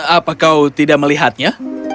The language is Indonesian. apa kau tidak melihatnya